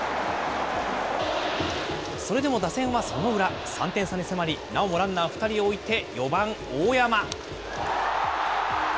それでも打線はその裏、３点差に迫り、なおもランナー２人を置いて４番大山。